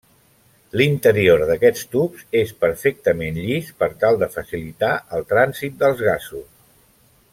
L'interior d'aquests tubs és perfectament llis per tal de facilitar el trànsit dels gasos.